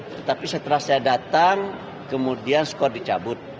tetapi setelah saya datang kemudian skor dicabut